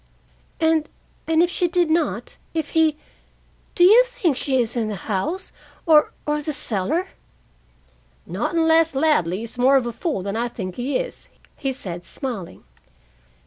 "And and if she did not, if he do you think she is in the house or or the cellar?" "Not unless Ladley is more of a fool than I think he is," he said, smiling.